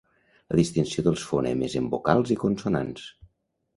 La distinció dels fonemes en vocals i consonants.